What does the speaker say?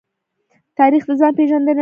تاریخ د ځان پېژندنې لارښود دی.